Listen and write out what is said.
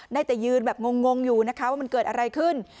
ได้แต่ยืนแบบงงอยู่นะคะว่ามันเกิดอะไรขึ้น